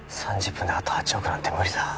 ３０分であと８億なんて無理だ